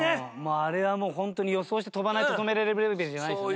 あれはもうホントに予想して跳ばないと止めれるレベルじゃないですね。